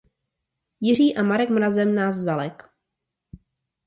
Jiří a Marek mrazem nás zalek.